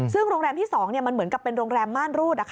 ซึ่งโรงแรมที่๒มันเหมือนกับเป็นโรงแรมม่านรูด